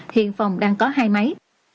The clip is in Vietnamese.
hiện phòng đang có hai máy